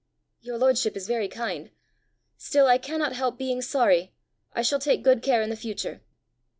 "Your lordship is very kind. Still I cannot help being sorry. I shall take good care in the future."